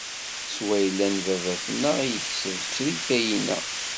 S wayla n baba-tneɣ i yekseb ttrika inna.